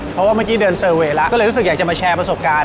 เพราะว่าเมื่อกี้เดินเซอร์เวย์แล้วก็เลยรู้สึกอยากจะมาแชร์ประสบการณ์